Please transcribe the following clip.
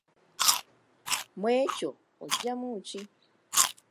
Mu ekyo oggyamu ki?